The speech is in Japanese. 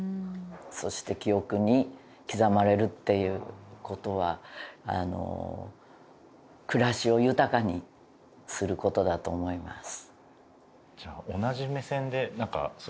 そして記憶に刻まれるっていう事はあの暮らしを豊かにする事だと思います。